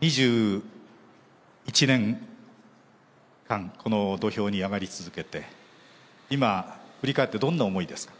２１年間、この土俵に上がり続けて、今、振り返ってどんな思いですか？